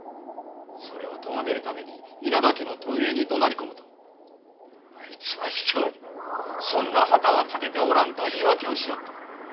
それを咎めるために稲田家の屯営にどなり込むとあいつは卑怯にも「そんな旗は立てておらん」と言い訳をしよった。